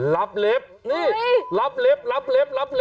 รับเล็บ